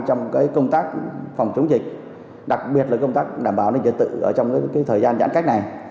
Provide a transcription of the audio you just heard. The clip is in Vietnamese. trong công tác phòng chống dịch đặc biệt là công tác đảm bảo nhân dân tự trong thời gian giãn cách này